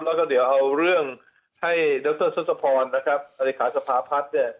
เราก็เดี๋ยวเอาเรื่องให้ดรสุภพรอริขาสภาพัฒน์